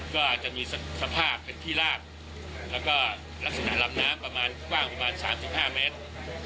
ก็จะมีสภาพเป็นขี้ราบและลักษณะลำน้ำประมาณ๓๕เมตร